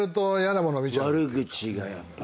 悪口がやっぱり。